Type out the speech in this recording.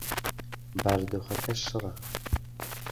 بارودۆخەکە شڕە.